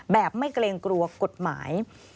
ไม่เกรงกลัวกฎหมาย